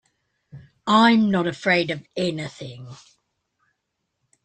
I'm not afraid of anything.